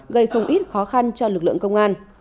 gây không ít khó khăn cho lực lượng công an